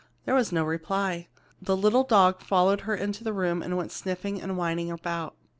There was no reply. The little dog followed her into the room and went sniffing and whining about.